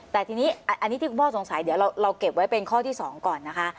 แต่ทีนี้อันนี้ที่คุณพ่อสงสัยเดี๋ยวเราเก็บไว้เป็นข้อที่๒ก่อนนะคะ